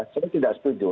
saya tidak setuju